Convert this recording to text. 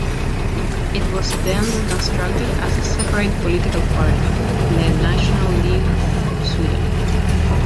It was then reconstructed as a separate political party, the National League of Sweden.